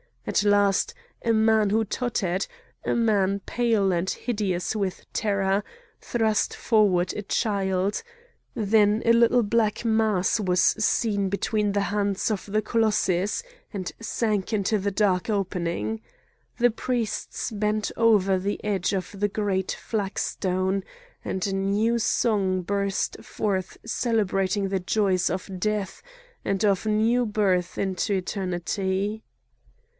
At last a man who tottered, a man pale and hideous with terror, thrust forward a child; then a little black mass was seen between the hands of the colossus, and sank into the dark opening. The priests bent over the edge of the great flagstone,—and a new song burst forth celebrating the joys of death and of new birth into eternity.